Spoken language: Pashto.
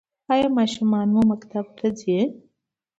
ایا ماشومان مو مکتب ته ځي؟